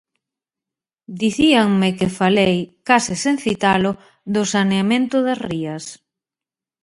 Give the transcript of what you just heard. Dicíanme que falei, case sen citalo, do saneamento das rías.